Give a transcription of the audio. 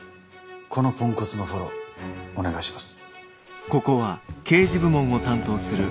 このポンコツのフォローお願いします。